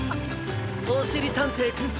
おしりたんていくん！